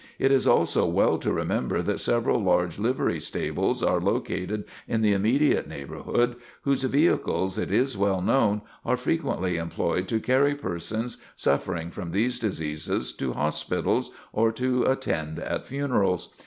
It is also well to remember that several large livery stables are located in the immediate neighborhood, whose vehicles, it is well known, are frequently employed to carry persons, suffering from these diseases, to hospitals, or to attend at funerals.